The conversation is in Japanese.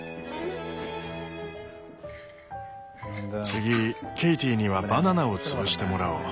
次ケイティにはバナナを潰してもらおう。